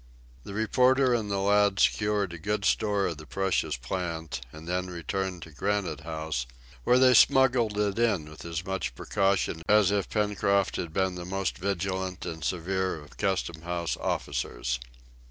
The reporter and the lad secured a good store of the precious plant, and then returned to Granite House, where they smuggled it in with as much precaution as if Pencroft had been the most vigilant and severe of custom house officers.